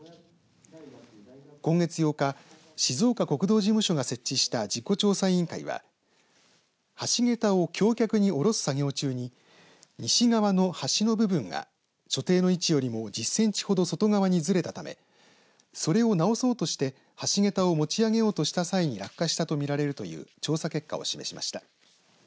今月８日静岡国道事務所が設置した事故調査委員会は橋桁を橋脚に下ろす作業中に西側の端の部分が所定の位置よりも１０センチほど外側にずれたためそれを直そうとして橋げたを持ち上げようとした際に落下したと見られるという調査結果を示しました。